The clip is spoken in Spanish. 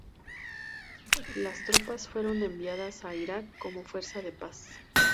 Las tropas fueron enviadas a Irak como fuerza de paz.